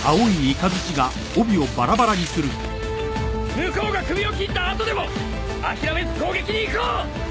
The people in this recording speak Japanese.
向こうが首を斬った後でも諦めず攻撃に行こう！